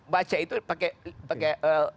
baca itu pakai